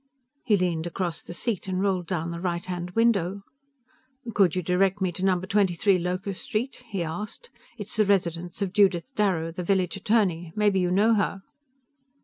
He leaned across the seat and rolled down the right hand window. "Could you direct me to number 23 Locust Street?" he asked. "It's the residence of Judith Darrow, the village attorney. Maybe you know her."